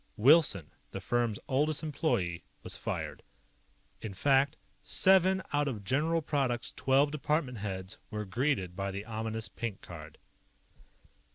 Wilson, the firm's oldest employee, was fired. In fact, seven out of General Product's twelve department heads were greeted by the ominous pink card.